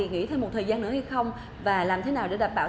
nữa hay không và làm thế nào để đảm bảo